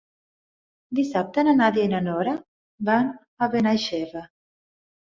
Dissabte na Nàdia i na Nora van a Benaixeve.